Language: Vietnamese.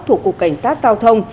thuộc cục cảnh sát giao thông